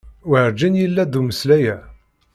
Werǧin yella-d umeslay-a.